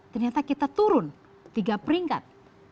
ternyata kita turun tiga peringkat